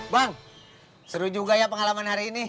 bang seru juga ya pengalaman hari ini